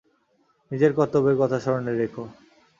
নিজের কর্তব্যের কথা স্মরণে রেখো!